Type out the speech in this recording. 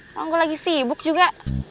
emang gue lagi sibuk juga